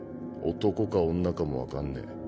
男か女かも分かんねぇ。